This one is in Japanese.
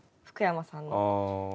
福山さんの。